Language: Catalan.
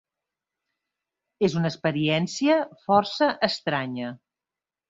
És una experiència força estranya.